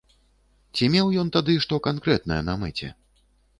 Ці меў ён тады што канкрэтнае на мэце?